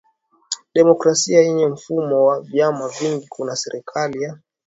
demokrasia yenye mfumo wa vyama vingi Kuna serikali ya